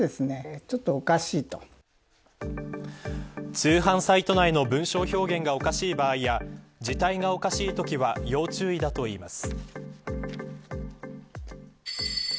通販サイト内の文章表現がおかしい場合や字体がおかしいときは要注意だといいます。